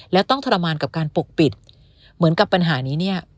และต้องทรมานกับการปกปิดเหมือนกับปัญหานี้เนี่ย